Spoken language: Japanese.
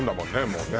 もうね